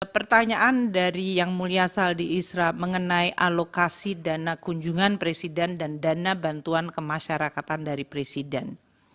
pertanyaan dari yang mulia saldi isra mengenai alokasi dana kunjungan presiden dan dana bantuan kemasyarakatan dari presiden